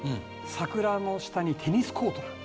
桜の下にテニスコートがある。